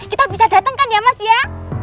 kita bisa datang kan ya mas ya